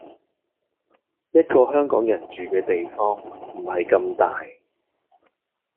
一係香港人住嘅地方唔係咁大